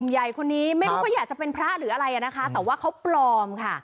ใหญ่คนนี้ไม่รู้เขาอยากจะเป็นพระหรืออะไรนะคะแต่ว่าเขาปลอมค่ะ